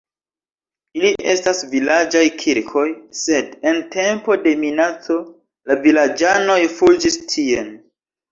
Ili estas vilaĝaj kirkoj, sed en tempo de minaco la vilaĝanoj fuĝis tien.